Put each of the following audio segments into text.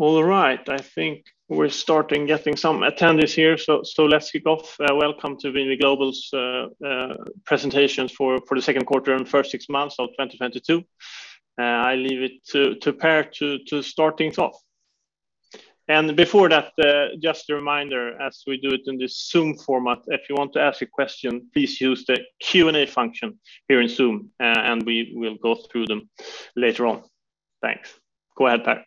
All right. I think we're starting to get some attendees here, so let's kick off. Welcome to VNV Global presentation for the second quarter and first six months of 2022. I leave it to Per to start things off. Before that, just a reminder, as we do it in this Zoom format, if you want to ask a question, please use the Q&A function here in Zoom, and we will go through them later on. Thanks. Go ahead, Per.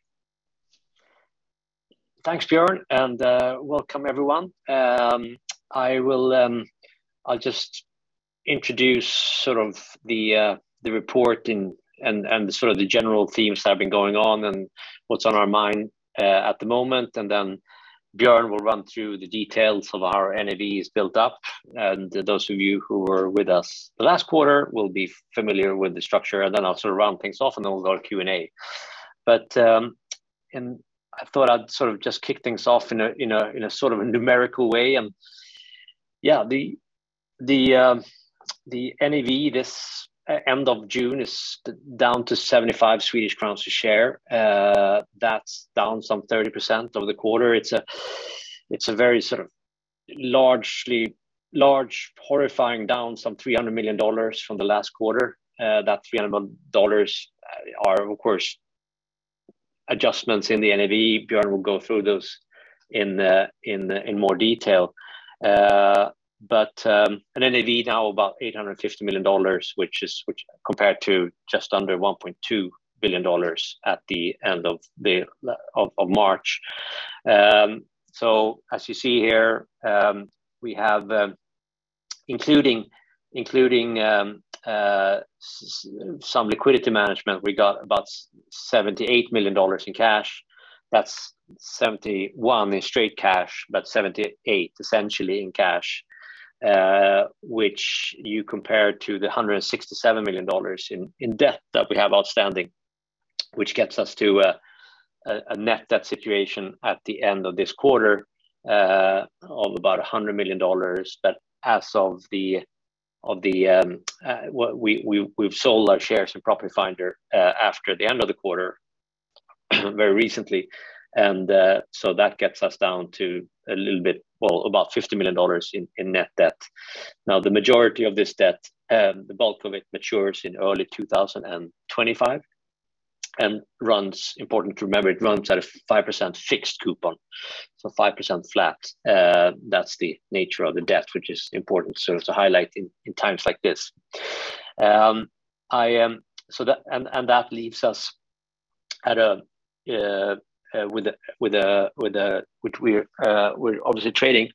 Thanks, Björn, and welcome everyone. I will, I'll just introduce sort of the report and sort of the general themes that have been going on and what's on our mind at the moment. Then Björn will run through the details of our NAV is built up. Those of you who were with us the last quarter will be familiar with the structure. Then I'll sort of round things off, and then we'll go to Q&A. I thought I'd sort of just kick things off in a sort of a numerical way. Yeah, the NAV this end of June is down to 75 Swedish crowns a share. That's down some 30% over the quarter. It's a very sort of large, horrifying, down some $300 million from the last quarter. That $300 million are of course adjustments in the NAV. Björn will go through those in more detail. An NAV now about $850 million, which compared to just under $1.2 billion at the end of March. As you see here, we have, including some liquidity management, we got about $78 million in cash. That's $71 million in straight cash, but $78 million essentially in cash, which you compare to the $167 million in debt that we have outstanding, which gets us to a net debt situation at the end of this quarter of about $100 million. As of we've sold our shares in Property Finder after the end of the quarter very recently, and so that gets us down to a little bit, well, about $50 million in net debt. Now, the majority of this debt, the bulk of it matures in early 2025 and runs. Important to remember, it runs at a 5% fixed coupon. 5% flat. That's the nature of the debt, which is important sort of to highlight in times like this. That leaves us with a- which we're obviously trading,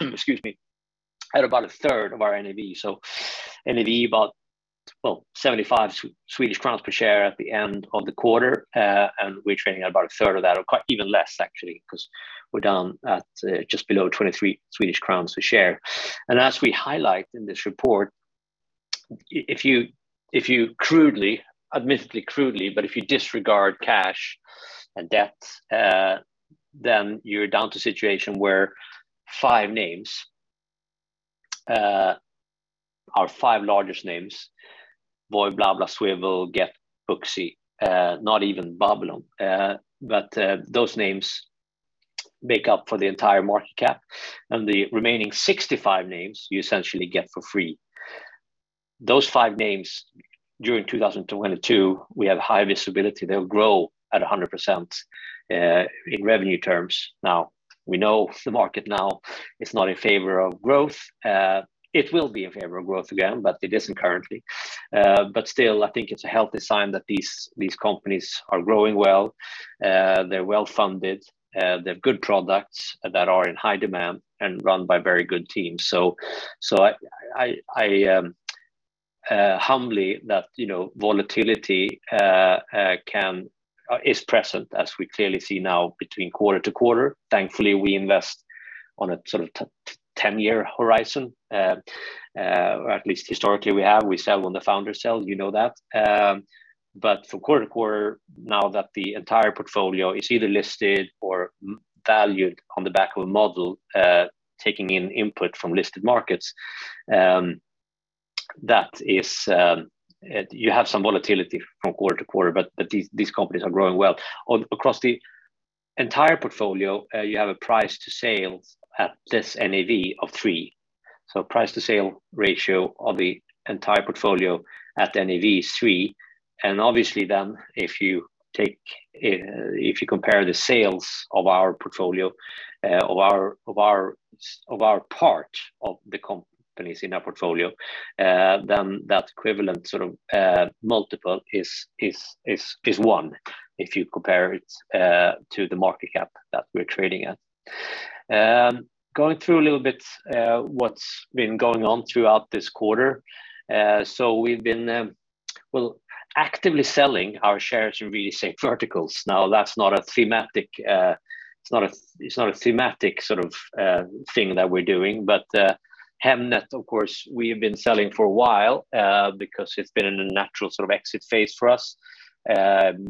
excuse me, at about 1/3 of our NAV. NAV about, well, 75 Swedish crowns per share at the end of the quarter. We're trading at about 1/3 of that or even less actually because we're down at just below 23 Swedish crowns a share. As we highlight in this report, if you crudely, admittedly crudely, but if you disregard cash and debt, then you're down to a situation where five names, our five largest names, Voi, BlaBla, Swvl, Gett, Booksy, not even Babylon, but those names make up the entire market cap. The remaining 65 names you essentially get for free. Those five names during 2022, we have high visibility. They'll grow at 100% in revenue terms. Now, we know the market now is not in favor of growth. It will be in favor of growth again, but it isn't currently. But still, I think it's a healthy sign that these companies are growing well. They're well-funded. They have good products that are in high demand and run by very good teams. I humbly say that, you know, volatility is present as we clearly see now quarter-to-quarter. Thankfully, we invest on a sort of 10-year horizon. At least historically we have. We sell when the founders sell, you know that. From quarter-to-quarter, now that the entire portfolio is either listed or valued on the back of a model, taking in input from listed markets, that is, you have some volatility quarter-to-quarter, but these companies are growing well. Across the entire portfolio, you have a price-to-sales at this NAV of 3.0x. Price-to-sales ratio of the entire portfolio at NAV is 3.0x. Obviously then if you take. If you compare the sales of our portfolio of our part of the companies in our portfolio, then that equivalent sort of multiple is one if you compare it to the market cap that we're trading at. Going through a little bit, what's been going on throughout this quarter. We've been well actively selling our shares in real estate verticals. Now that's not a thematic, it's not a thematic sort of thing that we're doing. Hemnet, of course, we have been selling for a while, because it's been in a natural sort of exit phase for us.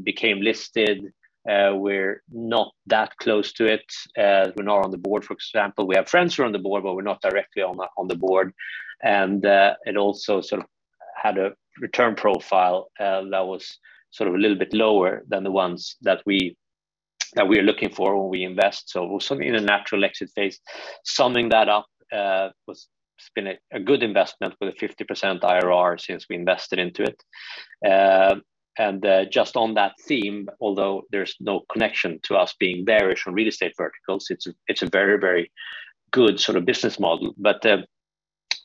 Became listed. We're not that close to it. We're not on the board, for example. We have friends who are on the board, but we're not directly on the board. It also sort of had a return profile that was sort of a little bit lower than the ones that we're looking for when we invest. Certainly in a natural exit phase, summing that up, it's been a good investment with a 50% IRR since we invested into it. Just on that theme, although there's no connection to us being bearish on real estate verticals, it's a very good sort of business model.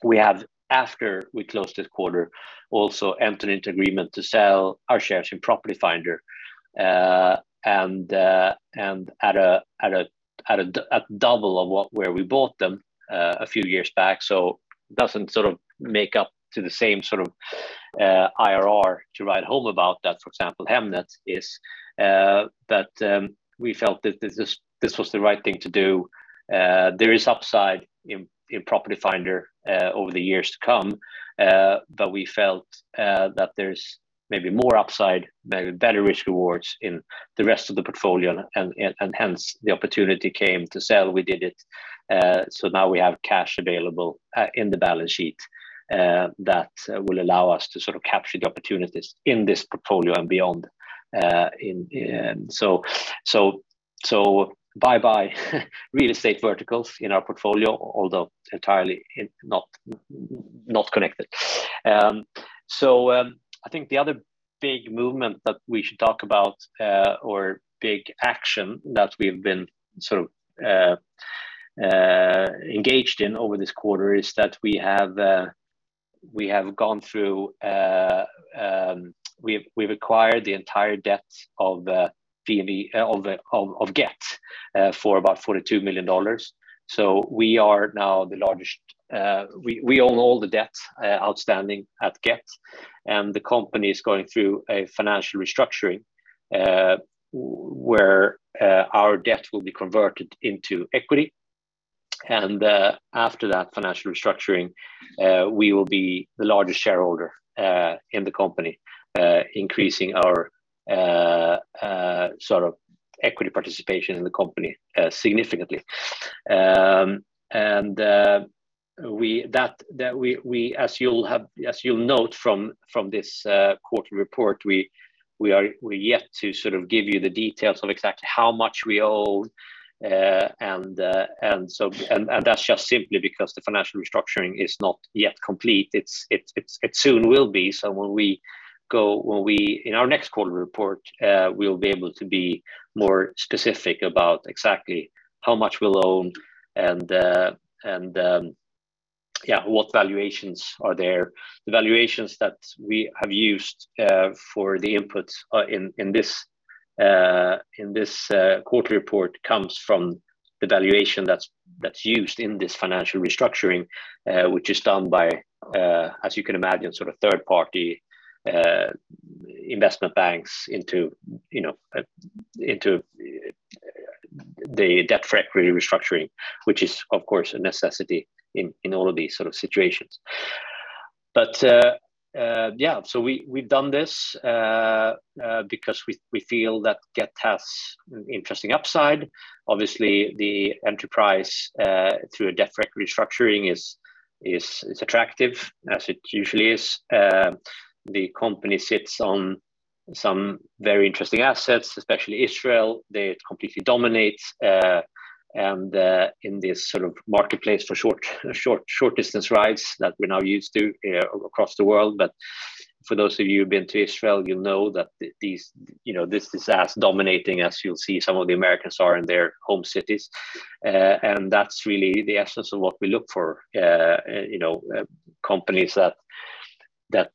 We have after we closed this quarter also entered into agreement to sell our shares in Property Finder and at double of where we bought them a few years back. It doesn't sort of add up to the same sort of IRR to write home about that, for example, Hemnet is, but we felt that this was the right thing to do. There is upside in Property Finder over the years to come, but we felt that there's maybe more upside, maybe better risk rewards in the rest of the portfolio and hence the opportunity came to sell, we did it. Now we have cash available in the balance sheet that will allow us to sort of capture the opportunities in this portfolio and beyond. Bye-bye real estate verticals in our portfolio, although entirely not connected. I think the other big movement that we should talk about or big action that we've been sort of engaged in over this quarter is that we've acquired the entire debt of Gett for about $42 million. We own all the debt outstanding at Gett, and the company is going through a financial restructuring where our debt will be converted into equity. After that financial restructuring, we will be the largest shareholder in the company, increasing our sort of equity participation in the company significantly. As you'll note from this quarterly report, we're yet to sort of give you the details of exactly how much we owe, and that's just simply because the financial restructuring is not yet complete. It soon will be. In our next quarterly report, we'll be able to be more specific about exactly how much we'll owe, yeah, what valuations are there. The valuations that we have used for the inputs in this quarterly report comes from the valuation that's used in this financial restructuring, which is done by, as you can imagine, sort of third-party investment banks into, you know, into the debt-for-equity restructuring, which is of course a necessity in all of these sort of situations. Yeah, we've done this because we feel that Gett has interesting upside. Obviously, the enterprise through a debt-for-equity restructuring is attractive, as it usually is. The company sits on some very interesting assets, especially Israel. They completely dominate and in this sort of marketplace for short-distance rides that we're now used to across the world. For those of you who've been to Israel, you'll know that these, you know, this is as dominating as you'll see some of the Americans are in their home cities. That's really the essence of what we look for, you know, companies that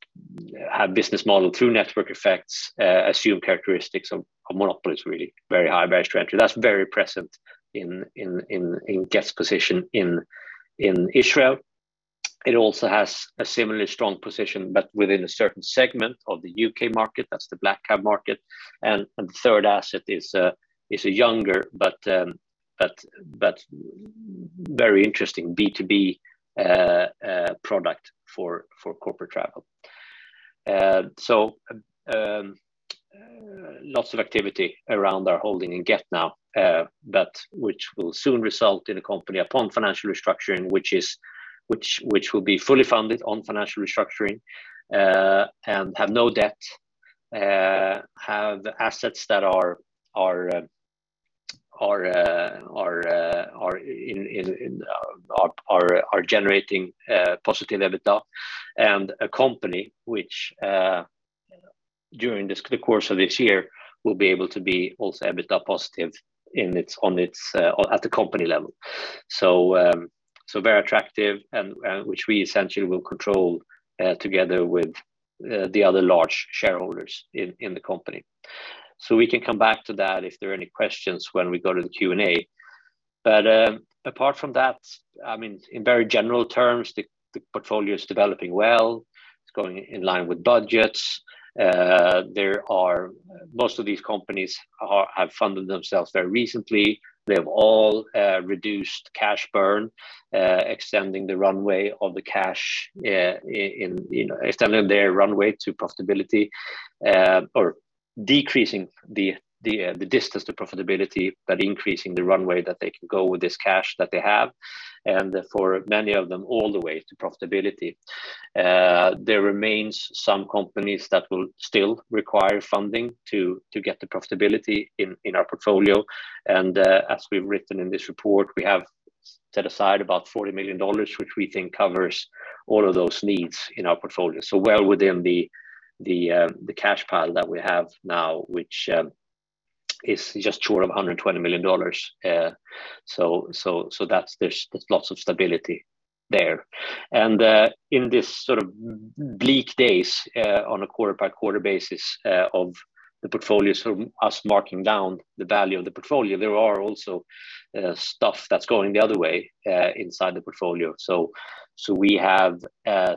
have business model through network effects, assume characteristics of monopolies, really. Very high barriers to entry. That's very present in Gett's position in Israel. It also has a similarly strong position, but within a certain segment of the U.K. market, that's the black cab market. The third asset is a younger, but very interesting B2B product for corporate travel. Lots of activity around our holding in Gett now, but which will soon result in a company upon financial restructuring, which will be fully funded on financial restructuring, and have no debt, have assets that are generating positive EBITDA and a company which, during the course of this year will be able to be also EBITDA positive at the company level. Very attractive and which we essentially will control, together with the other large shareholders in the company. We can come back to that if there are any questions when we go to the Q&A. Apart from that, I mean, in very general terms, the portfolio is developing well. It's going in line with budgets. Most of these companies have funded themselves very recently. They have all reduced cash burn, extending the runway of the cash, in, you know, extending their runway to profitability, or decreasing the distance to profitability, but increasing the runway that they can go with this cash that they have. For many of them, all the way to profitability. There remains some companies that will still require funding to get the profitability in our portfolio. As we've written in this report, we have set aside about $40 million, which we think covers all of those needs in our portfolio. Well within the cash pile that we have now, which is just short of $120 million. There's lots of stability there. In this sort of bleak days, on a quarter-by-quarter basis, of the portfolio, us marking down the value of the portfolio, there are also stuff that's going the other way, inside the portfolio. We have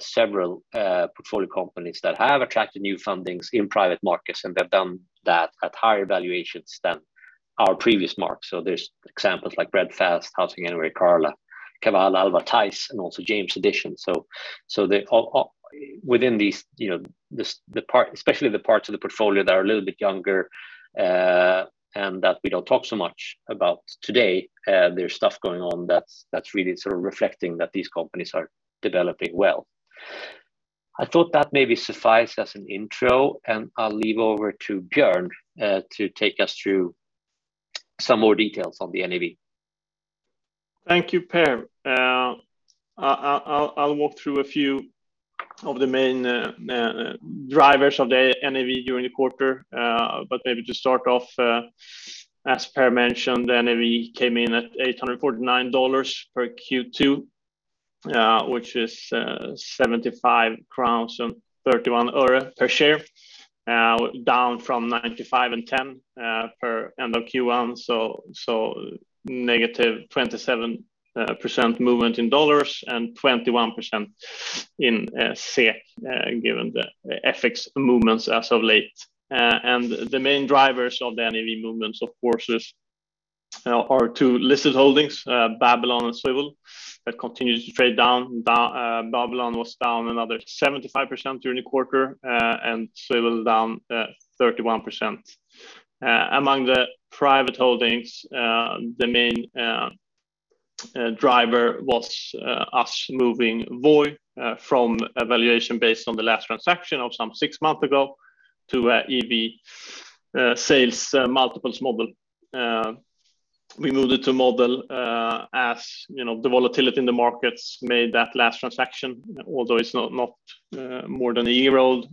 several portfolio companies that have attracted new fundings in private markets, and they've done that at higher valuations than our previous mark. There are examples like Breadfast, HousingAnywhere, Carla, Kavall, Alva, Tise, and also JamesEdition. Within these, you know, especially the parts of the portfolio that are a little bit younger, and that we don't talk so much about today, there's stuff going on that's really sort of reflecting that these companies are developing well. I thought that maybe suffice as an intro, and I'll hand over to Björn to take us through some more details on the NAV. Thank you, Per. I'll walk through a few of the main drivers of the NAV during the quarter. Maybe to start off, as Per mentioned, the NAV came in at $849 million for Q2, which is SEK 75.31 per share, down from 95.10 per end of Q1. So -27% movement in dollars and 21% in SEK, given the FX movements as of late. The main drivers of the NAV movements, of course, are two listed holdings, Babylon and Swvl, that continue to trade down. Babylon was down another 75% during the quarter, and Swvl down 31%. Among the private holdings, the main driver was us moving Voi from a valuation based on the last transaction of some six months ago to an EV sales multiples model. We moved it to model, as you know, the volatility in the markets made that last transaction, although it's not more than a year old,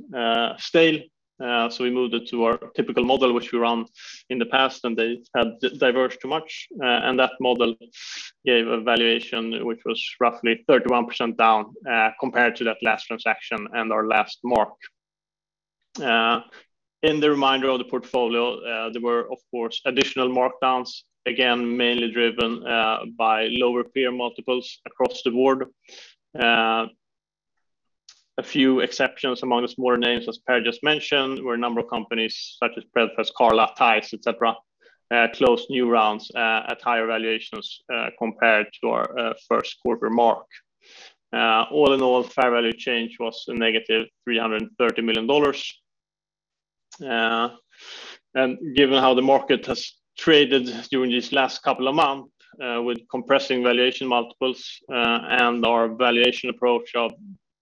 stale. We moved it to our typical model, which we run in the past, and they had diverged too much. That model gave a valuation which was roughly 31% down compared to that last transaction and our last mark. In the remainder of the portfolio, there were, of course, additional markdowns, again, mainly driven by lower peer multiples across the board. A few exceptions among the smaller names, as Per just mentioned, were a number of companies such as Breadfast, Carla, Tise, et cetera, closed new rounds at higher valuations compared to our first quarter mark. All in all, fair value change was -$330 million. Given how the market has traded during this last couple of months with compressing valuation multiples and our valuation approach of,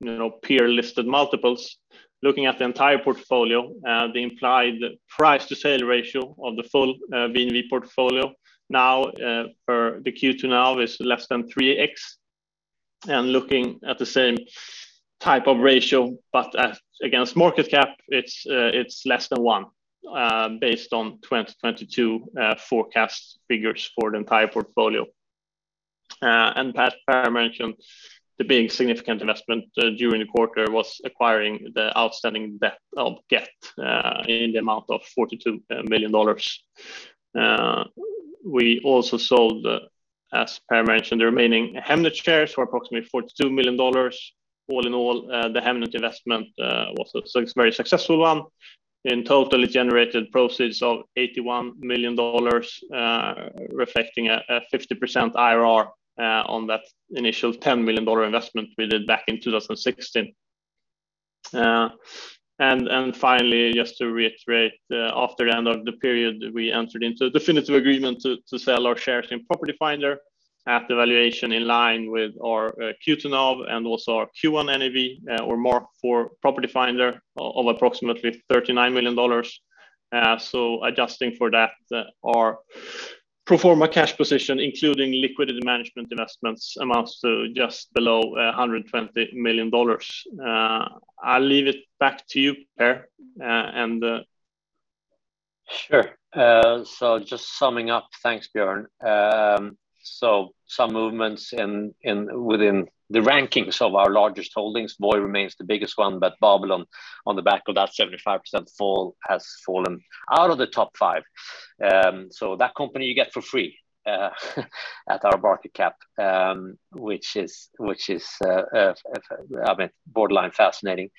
you know, peer-listed multiples, looking at the entire portfolio, the implied price-to-sales ratio of the full VNV portfolio now for the Q2 now is less than 3x. Looking at the same type of ratio, but against market cap, it's less than 1x. Based on 2022 forecast figures for the entire portfolio. As Per mentioned, the big significant investment during the quarter was acquiring the outstanding debt of Gett in the amount of $42 million. We also sold, as Per mentioned, the remaining Hemnet shares for approximately $42 million. All in all, the Hemnet investment was a very successful one. In total, it generated proceeds of $81 million, reflecting a 50% IRR on that initial $10 million investment we did back in 2016. Finally, just to reiterate, after the end of the period, we entered into a definitive agreement to sell our shares in Property Finder at the valuation in line with our Q2 NAV and also our Q1 NAV, or mark for Property Finder of approximately $39 million. Adjusting for that, our pro forma cash position, including liquidity management investments, amounts to just below $120 million. I'll leave it back to you, Per. Sure. Just summing up. Thanks, Björn. Some movements within the rankings of our largest holdings. Voi remains the biggest one, but Babylon, on the back of that 75% fall, has fallen out of the top five. That company you get for free at our market cap, which is, I mean, borderline fascinating.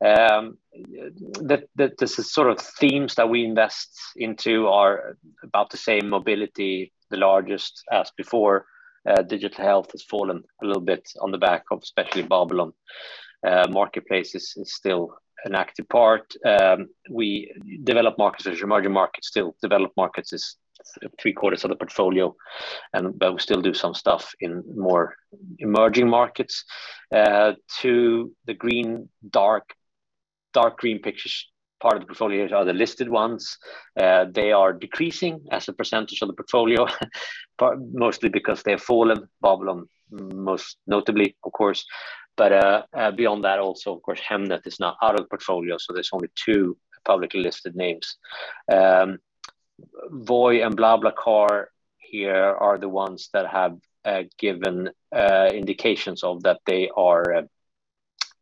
The sort of themes that we invest into are about the same mobility, the largest as before. Digital health has fallen a little bit on the back of especially Babylon. Marketplace is still an active part. We develop markets as emerging markets. Still developed markets is three quarters of the portfolio and but we still do some stuff in more emerging markets, to the dark green pictures. Part of the portfolios are the listed ones. They are decreasing as a percentage of the portfolio, part mostly because they have fallen Babylon most notably, of course, but beyond that also for Hemnet is now out of the portfolio, so there's only two publicly listed names. Voi and BlaBlaCar here are the ones that have given indications of that they are,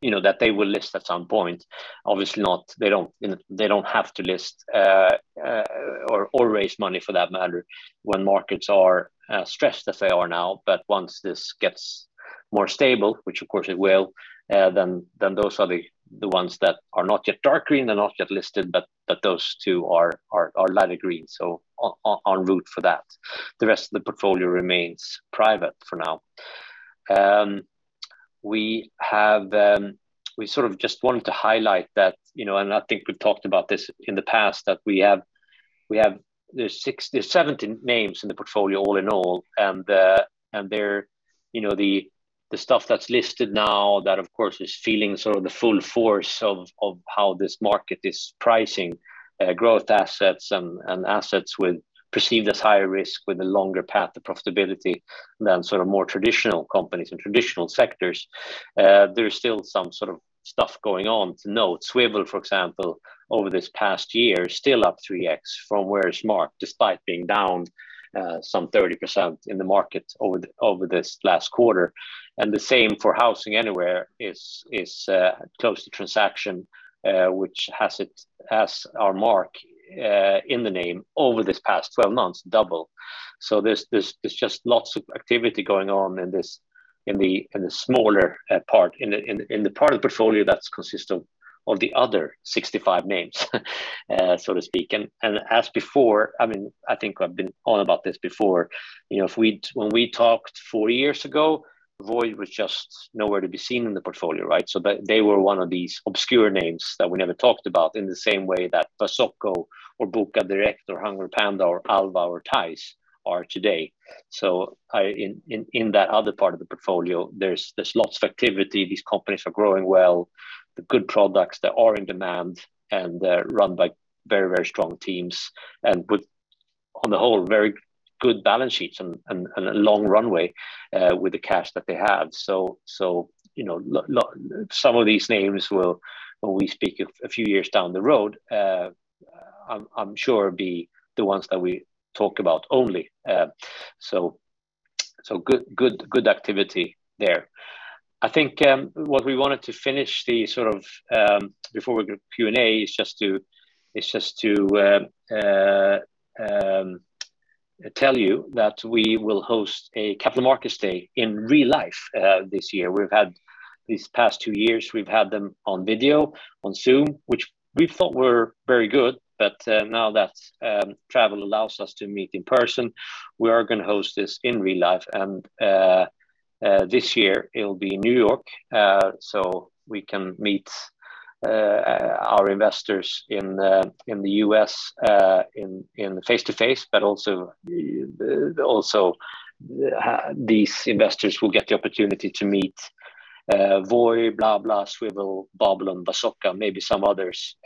you know, that they will list at some point. Obviously not, they don't, you know, they don't have to list or raise money for that matter when markets are stressed as they are now. Once this gets more stable, which of course it will, then those are the ones that are not yet dark green. They're not yet listed, but those two are lighter green. So en route for that. The rest of the portfolio remains private for now. We sort of just wanted to highlight that, you know, and I think we've talked about this in the past, that there are 17 names in the portfolio all in all. They're, you know, the stuff that's listed now that of course is feeling sort of the full force of how this market is pricing growth assets and assets perceived as higher risk with a longer path to profitability than sort of more traditional companies and traditional sectors. There's still some sort of stuff going on to note. Swvl, for example, over this past year is still up 3x from where it's marked, despite being down some 30% in the market over this last quarter. The same for HousingAnywhere is close to a transaction which has our mark in the name over this past 12 months doubled. There's just lots of activity going on in the smaller part of the portfolio that consists of the other 65 names, so to speak. As before, I mean, I think I've been on about this before, you know, when we talked four years ago, Voi was just nowhere to be seen in the portfolio, right? They were one of these obscure names that we never talked about in the same way that Wasoko or Bokadirekt or HungryPanda or Alva or Tise are today. In that other part of the portfolio, there's lots of activity. These companies are growing well, the good products that are in demand and they're run by very strong teams and with on the whole very good balance sheets and a long runway with the cash that they have. You know, some of these names will, when we speak a few years down the road, I'm sure be the ones that we talk about only. So good activity there. I think, what we wanted to finish the sort of before we go to Q&A is just to tell you that we will host a Capital Markets Day in real life this year. These past two years, we've had them on video, on Zoom, which we thought were very good. Now that travel allows us to meet in person, we are gonna host this in real life. This year it'll be in New York so we can meet our investors in the U.S. in face to face, but also these investors will get the opportunity to meet Voi, BlaBla, Swvl, Babylon and Wasoko and maybe some others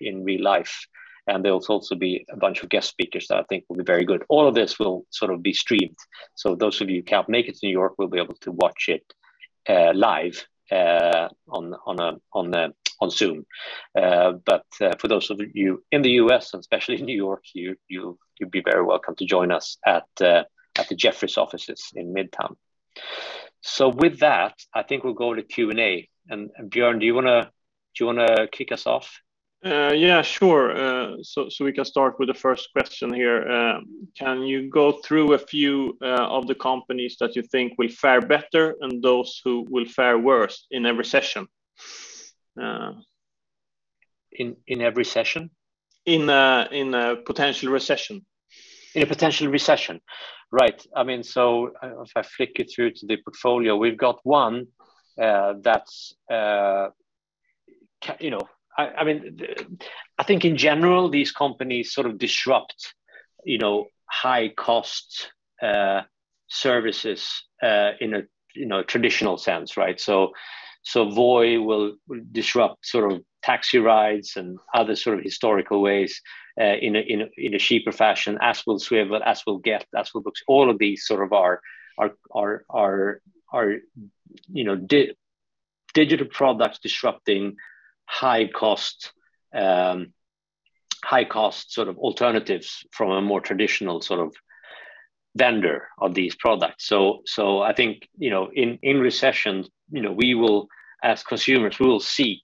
in real life. There will also be a bunch of guest speakers that I think will be very good. All of this will sort of be streamed, so those of you who can't make it to New York will be able to watch it live on Zoom. For those of you in the U.S. and especially in New York, you'd be very welcome to join us at the Jefferies offices in Midtown. With that, I think we'll go to Q&A. Björn, do you wanna kick us off? Yeah, sure. We can start with the first question here. Can you go through a few of the companies that you think will fare better and those who will fare worse in a recession? In a recession? In a potential recession. In a potential recession. Right. I mean, if I flick it through to the portfolio, we've got one that's you know. I mean, I think in general, these companies sort of disrupt, you know, high cost services in a, you know, traditional sense, right? Voi will disrupt sort of taxi rides and other sort of historical ways in a cheaper fashion, as will Swvl, as will Gett, as will Booksy. All of these sort of are you know digital products disrupting high cost sort of alternatives from a more traditional sort of vendor of these products. I think, you know, in recession, you know, we will as consumers, we will seek,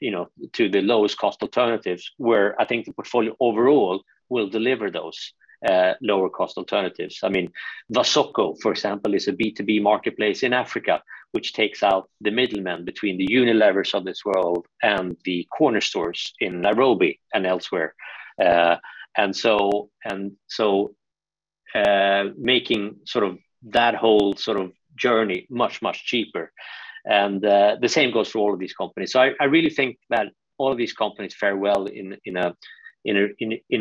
you know, to the lowest cost alternatives where I think the portfolio overall will deliver those, lower cost alternatives. I mean, Wasoko, for example, is a B2B marketplace in Africa, which takes out the middlemen between the Unilevers of this world and the corner stores in Nairobi and elsewhere, making sort of that whole sort of journey much, much cheaper. The same goes for all of these companies. I really think that all of these companies fare well in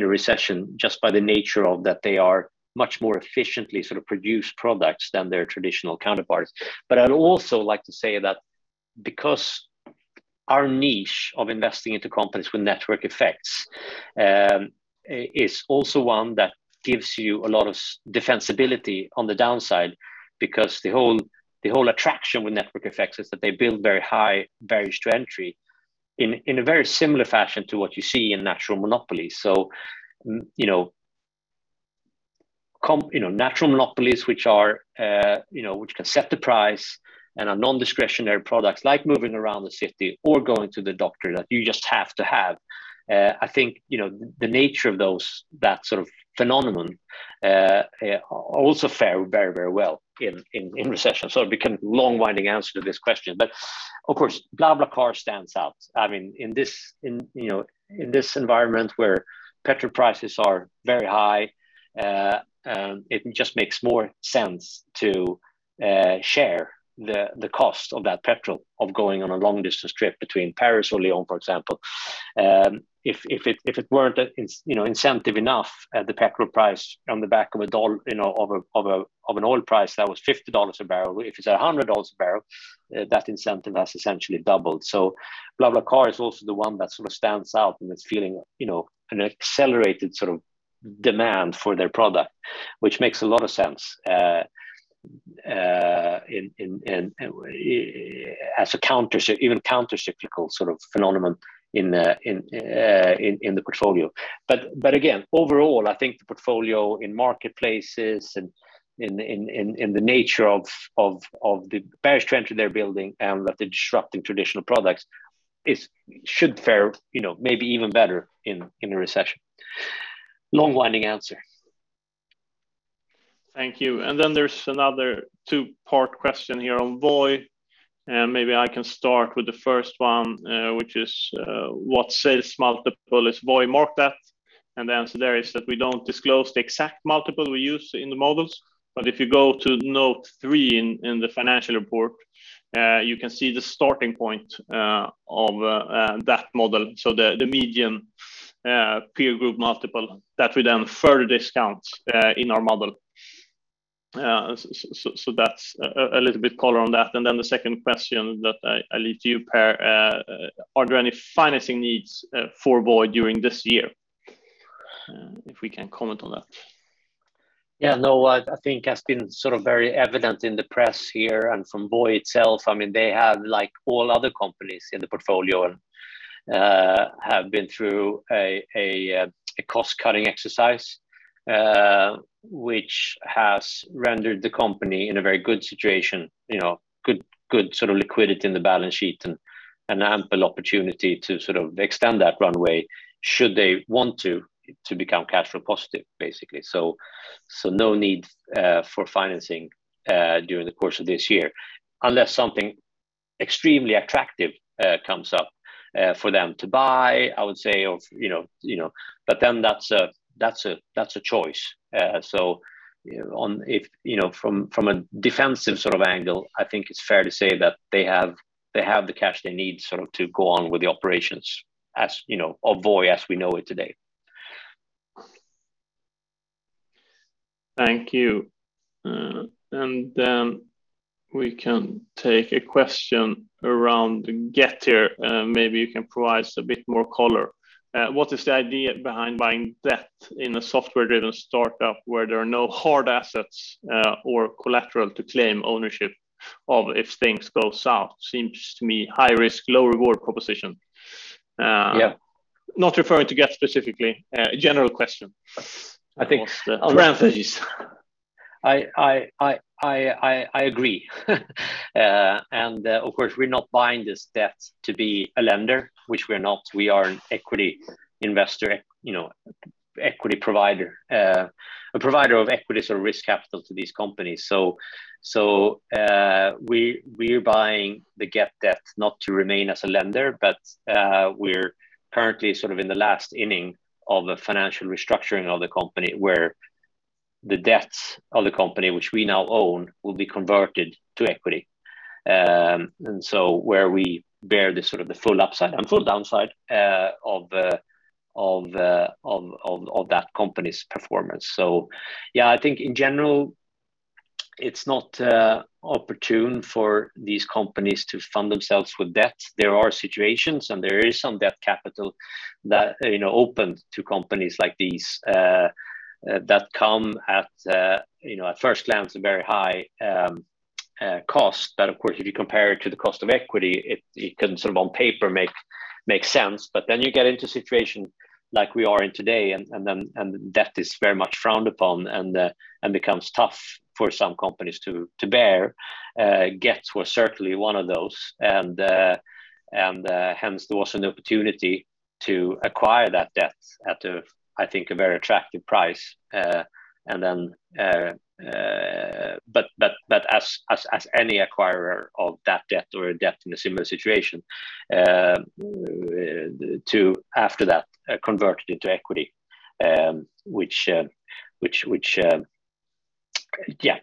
a recession just by the nature of that they are much more efficiently sort of produced products than their traditional counterparts. I'd also like to say that because our niche of investing into companies with network effects is also one that gives you a lot of defensibility on the downside because the whole attraction with network effects is that they build very high barriers to entry in a very similar fashion to what you see in natural monopolies. So, you know, natural monopolies, which are, you know, which can set the price and are non-discretionary products like moving around the city or going to the doctor that you just have to have. I think, you know, the nature of that sort of phenomenon also fare very, very well in recession. So it became long-winded answer to this question. Of course, BlaBlaCar stands out. I mean, in this you know, in this environment where petrol prices are very high, it just makes more sense to share the cost of that petrol of going on a long-distance trip between Paris or Lyon, for example. If it weren't you know, incentive enough at the petrol price on the back of an oil price that was $50 a barrel. If it's $100 a barrel, that incentive has essentially doubled. BlaBlaCar is also the one that sort of stands out and it's feeling you know, an accelerated sort of demand for their product, which makes a lot of sense as a countercyclical sort of phenomenon in the portfolio. Again, overall, I think the portfolio in marketplaces and in the nature of the barriers to entry they're building and that they're disrupting traditional products should fare, you know, maybe even better in a recession. Long winding answer. Thank you. Then there's another two-part question here on Voi. Maybe I can start with the first one, which is, what sales multiple is Voi marked at? The answer there is that we don't disclose the exact multiple we use in the models. If you go to Note 3 in the financial report, you can see the starting point of that model. The median peer group multiple that we then further discount in our model. That's a little bit color on that. Then the second question that I leave to you, Per, are there any financing needs for Voi during this year? If we can comment on that. Yeah, no, I think it has been sort of very evident in the press here and from Voi itself. I mean, they have, like all other companies in the portfolio, have been through a cost-cutting exercise, which has rendered the company in a very good situation, you know, good sort of liquidity in the balance sheet and ample opportunity to sort of extend that runway should they want to become cash flow positive, basically. So no need for financing during the course of this year. Unless something extremely attractive comes up for them to buy, I would say, you know. But then that's a choice. You know, from a defensive sort of angle, I think it's fair to say that they have the cash they need sort of to go on with the operations as, you know, of Voi as we know it today. Thank you. We can take a question around Gett here. Maybe you can provide us a bit more color. What is the idea behind buying debt in a software-driven start-up where there are no hard assets, or collateral to claim ownership of if things go south? Seems to me high risk, low reward proposition. Not referring to Gett specifically, a general question. I think. Parentheses. I agree. Of course, we're not buying this debt to be a lender, which we are not. We are an equity investor, you know, equity provider. A provider of equity sort of risk capital to these companies. We're buying the Gett debt not to remain as a lender, but we're currently sort of in the last inning of a financial restructuring of the company where the debts of the company, which we now own, will be converted to equity where we bear the sort of the full upside and full downside of that company's performance. Yeah, I think in general, it's not opportune for these companies to fund themselves with debt. There are situations, and there is some debt capital that, you know, open to companies like these, that come at, you know, at first glance, a very high, cost. That of course, if you compare it to the cost of equity, it can sort of on paper make sense. You get into a situation like we are in today and debt is very much frowned upon and becomes tough for some companies to bear. Gett was certainly one of those. Hence there was an opportunity to acquire that debt at a, I think, a very attractive price, and then as any acquirer of that debt or a debt in a similar situation, to after that convert it into equity, which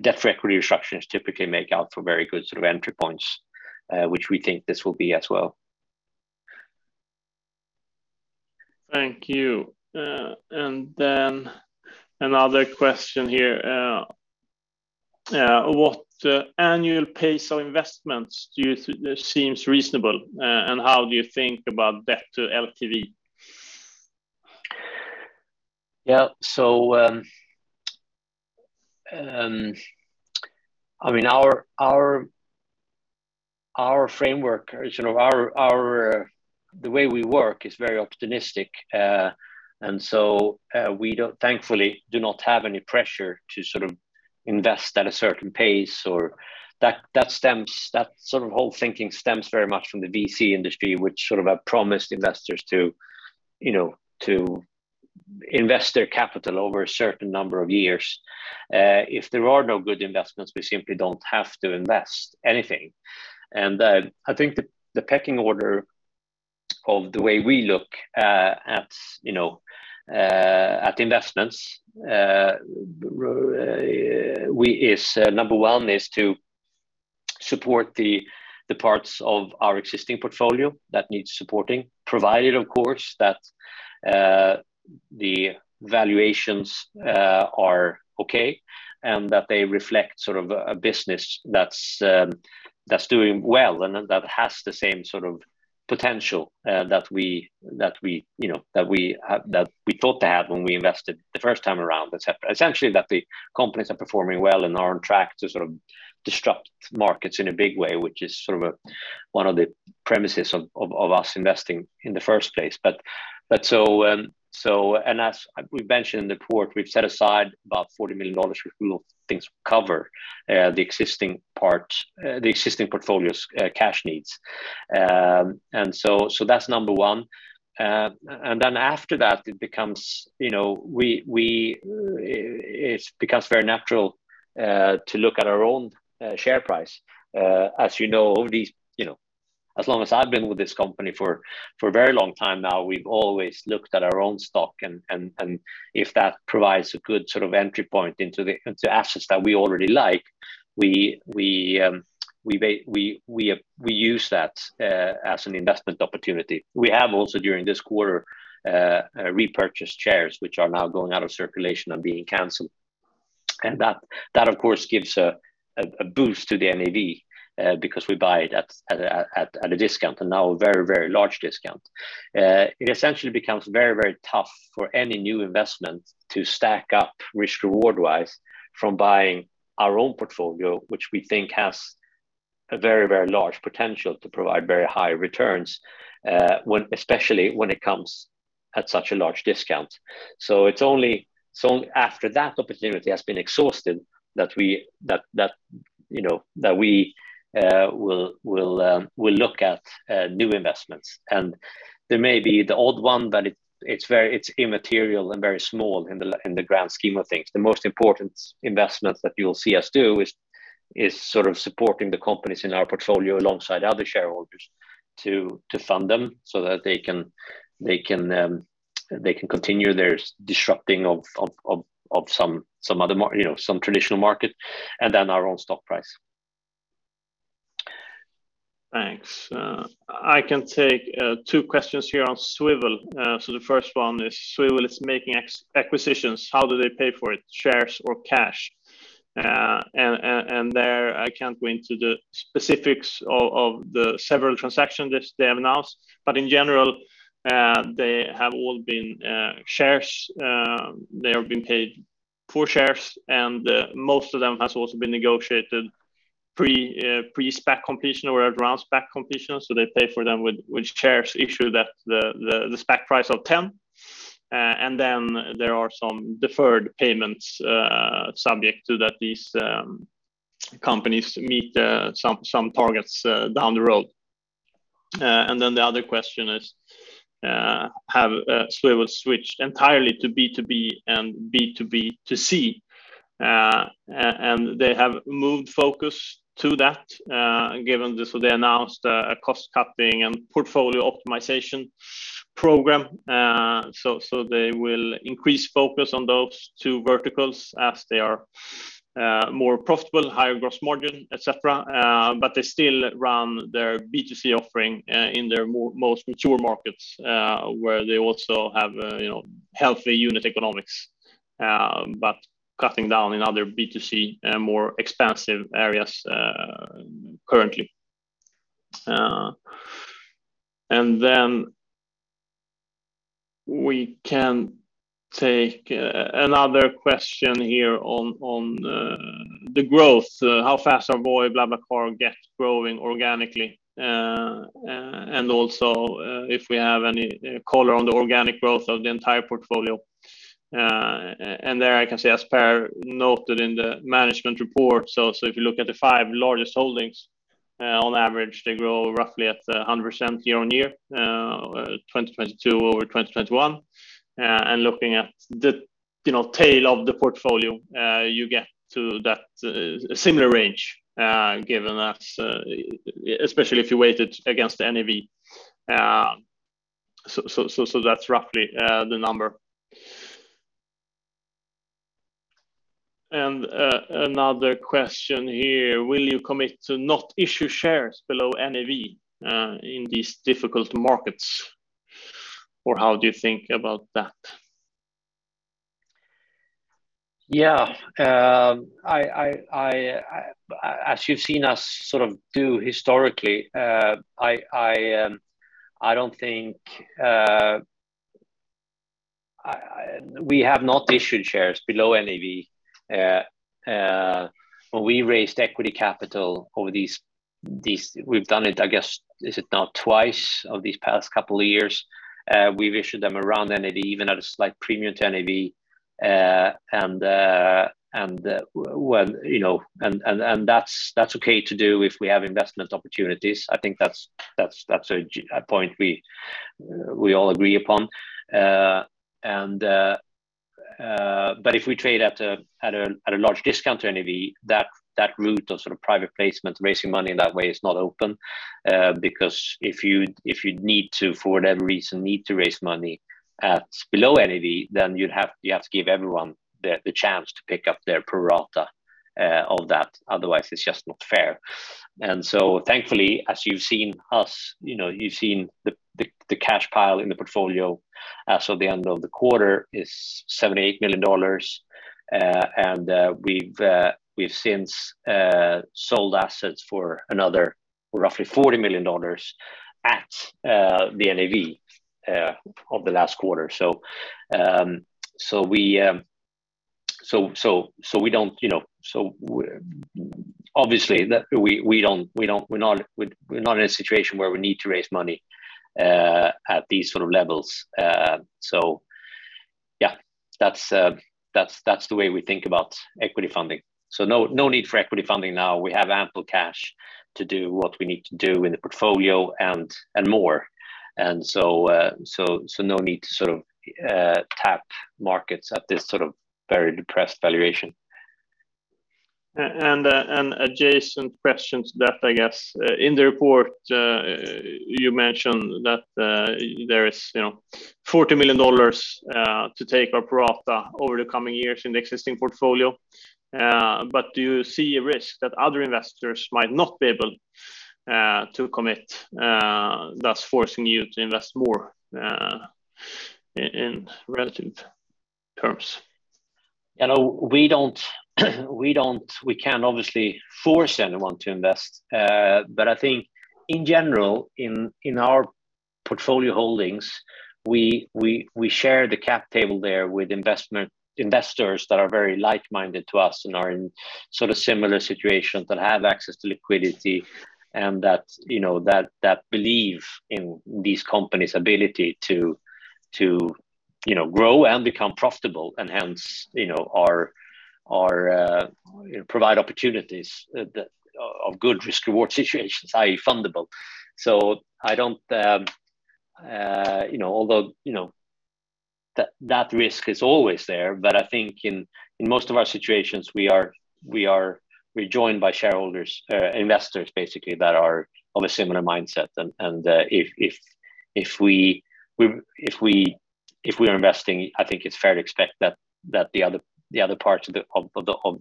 debt-for-equity restructurings typically make for very good sort of entry points, which we think this will be as well. Thank you. Another question here. What annual pace of investments seems reasonable, and how do you think about debt to LTV? Yeah. I mean our framework or sort of the way we work is very opportunistic. We thankfully do not have any pressure to sort of invest at a certain pace or that sort of whole thinking stems very much from the VC industry, which sort of have promised investors to, you know, to invest their capital over a certain number of years. If there are no good investments, we simply don't have to invest anything. I think the pecking order of the way we look at, you know, at investments is number one to support the parts of our existing portfolio that needs supporting, provided of course that the valuations are okay and that they reflect sort of a business that's doing well and that has the same sort of potential that we, you know, that we thought to have when we invested the first time around, et cetera. Essentially, that the companies are performing well and are on track to sort of disrupt markets in a big way, which is sort of one of the premises of us investing in the first place. As we've mentioned in the report, we've set aside about $40 million worth of things to cover the existing parts, the existing portfolio's cash needs. That's number one. After that it becomes, you know, very natural to look at our own share price. As you know, over these, you know, as long as I've been with this company for a very long time now, we've always looked at our own stock and if that provides a good sort of entry point into assets that we already like, we use that as an investment opportunity. We have also during this quarter repurchased shares, which are now going out of circulation and being canceled. That of course gives a boost to the NAV because we buy it at a discount, and now a very large discount. It essentially becomes very tough for any new investment to stack up risk reward wise from buying our own portfolio, which we think has a very large potential to provide very high returns, when especially when it comes at such a large discount. It's only after that opportunity has been exhausted that we, you know, will look at new investments. There may be the odd one, but it's very immaterial and very small in the grand scheme of things. The most important investments that you'll see us do is sort of supporting the companies in our portfolio alongside other shareholders to fund them so that they can continue their disrupting of some traditional market, you know, and then our own stock price. Thanks. I can take two questions here on Swvl. The first one is Swvl is making acquisitions, how do they pay for it? Shares or cash? There I can't go into the specifics of the several transactions they have announced, but in general, they have all been shares. They have been paid with shares, and most of them has also been negotiated pre-SPAC completion or around SPAC completion. They pay for them with shares issued at the SPAC price of $10. There are some deferred payments subject to that these companies meet some targets down the road. The other question is, have Swvl switched entirely to B2B and B2B2C? They have moved focus to that, given this. They announced a cost cutting and portfolio optimization program. They will increase focus on those two verticals as they are more profitable, higher gross margin, et cetera. But they still run their B2C offering in their most mature markets, where they also have, you know, healthy unit economics. But cutting down in other B2C, more expensive areas, currently. We can take another question here on the growth. How fast are Voi, BlaBlaCar growing organically? Also, if we have any color on the organic growth of the entire portfolio. There I can say as Per noted in the management report, so if you look at the five largest holdings. On average, they grow roughly at 100% year-on-year, 2022 over 2021. Looking at the tail of the portfolio, you know, you get to that similar range, given that, especially if you weighted against the NAV. That's roughly the number. Another question here, will you commit to not issue shares below NAV in these difficult markets? Or how do you think about that? As you've seen us sort of do historically, I don't think we have not issued shares below NAV. When we raised equity capital, we've done it, I guess—is it now twice in the past couple of years? We've issued them around NAV, even at a slight premium to NAV. Well, you know, that's okay to do if we have investment opportunities. I think that's a point we all agree upon. If we trade at a large discount to NAV, that route of sort of private placement, raising money in that way is not open. Because if you need to, for whatever reason, raise money at below NAV, then you have to give everyone the chance to pick up their pro rata of that. Otherwise, it's just not fair. Thankfully, as you've seen us, you know, you've seen the cash pile in the portfolio as of the end of the quarter is $78 million. We've since sold assets for another roughly $40 million at the NAV of the last quarter. We don't, you know. Obviously that we don't, we're not in a situation where we need to raise money at these sort of levels. Yeah, that's the way we think about equity funding. No need for equity funding now. We have ample cash to do what we need to do in the portfolio and more. No need to sort of tap markets at this sort of very depressed valuation. Adjacent question to that, I guess. In the report, you mentioned that there is, you know, $40 million to take our pro rata over the coming years in the existing portfolio. Do you see a risk that other investors might not be able to commit, thus forcing you to invest more in relative terms? You know, we can't obviously force anyone to invest. I think in general, in our portfolio holdings, we share the cap table there with investors that are very like-minded to us and are in sort of similar situations that have access to liquidity and that you know that believe in these companies' ability to you know grow and become profitable and hence you know are provide opportunities that of good risk-reward situations, i.e., fundable. I don't you know although you know that risk is always there, but I think in most of our situations, we're joined by shareholders investors basically that are of a similar mindset. If we're investing, I think it's fair to expect that the other parts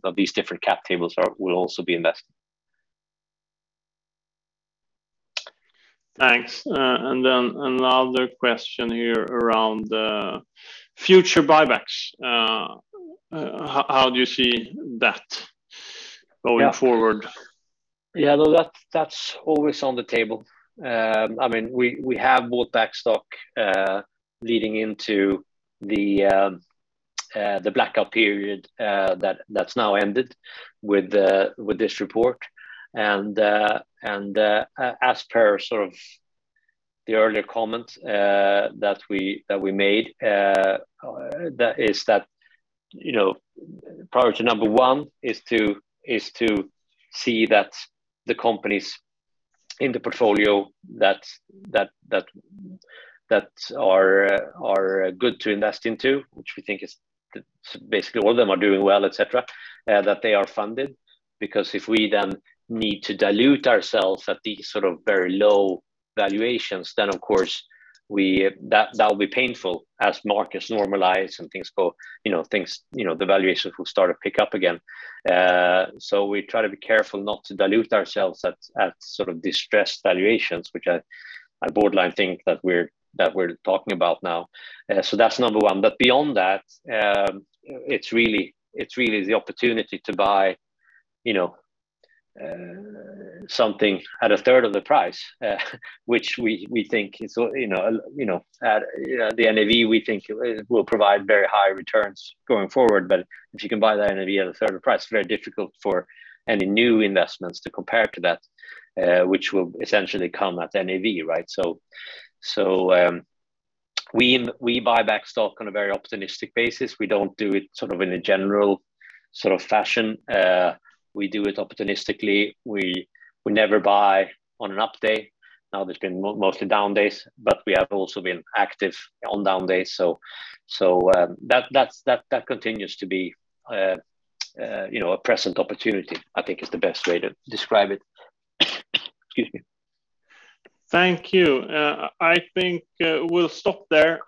of these different cap tables will also be investing. Thanks. Another question here around future buybacks. How do you see that going forward? No, that's always on the table. We have bought back stock leading into the blackout period that's now ended with this report. As per sort of the earlier comments that we made, that is, you know, priority number one is to see that the companies in the portfolio that are good to invest into, which we think is basically all of them are doing well, et cetera, that they are funded. Because if we then need to dilute ourselves at these sort of very low valuations, then of course that will be painful as markets normalize and things go, you know, the valuations will start to pick up again. We try to be careful not to dilute ourselves at sort of distressed valuations, which I borderline think that we're talking about now. That's number one. Beyond that, it's really the opportunity to buy, you know, something at a third of the price, which we think is, you know, at, you know, the NAV. We think it will provide very high returns going forward. If you can buy the NAV at a third of the price, it's very difficult for any new investments to compare to that, which will essentially come at NAV, right? We buy back stock on a very opportunistic basis. We don't do it sort of in a general sort of fashion. We do it opportunistically. We never buy on an up day. Now there's been mostly down days, but we have also been active on down days. That continues to be, you know, a present opportunity, I think, is the best way to describe it. Excuse me. Thank you. I think we'll stop there.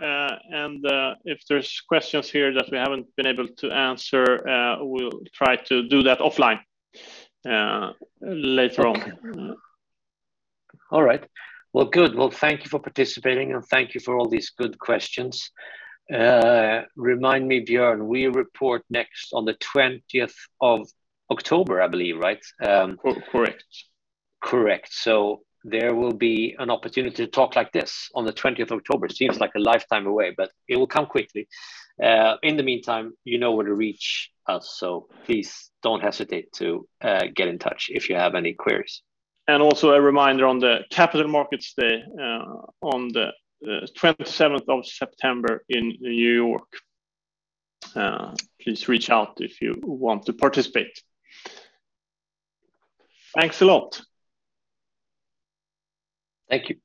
If there's questions here that we haven't been able to answer, we'll try to do that offline later on. Okay. All right. Well, good. Well, thank you for participating, and thank you for all these good questions. Remind me, Björn, we report next on the 20th of October, I believe, right? Correct. Correct. There will be an opportunity to talk like this on the 20th of October. Seems like a lifetime away, but it will come quickly. In the meantime, you know where to reach us, so please don't hesitate to get in touch if you have any queries. Also a reminder on the Capital Markets Day, on the 27th of September in New York. Please reach out if you want to participate. Thanks a lot. Thank you.